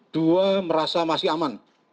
dua merasa masih aman